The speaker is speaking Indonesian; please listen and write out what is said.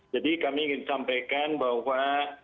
jadi kami ingin sampaikan bahwa